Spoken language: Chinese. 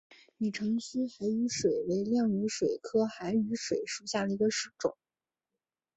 拟长须海羽水蚤为亮羽水蚤科海羽水蚤属下的一个种。